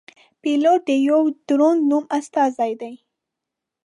پیلوټ د یوه دروند نوم استازی دی.